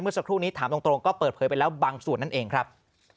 สักครู่นี้ถามตรงก็เปิดเผยไปแล้วบางส่วนนั่นเองครับ